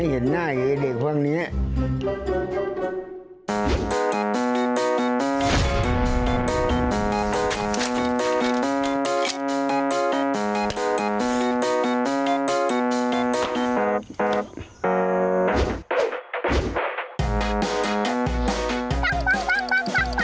มีใครเอกอับโวยวายอะไรกันหรอครับ